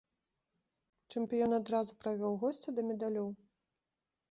Чэмпіён адразу правёў госця да медалёў.